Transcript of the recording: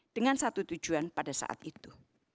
dengan satu tujuan pada saat itu